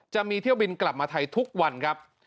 จะมีเที่ยวบินกลับมาไทยทุกวันครับ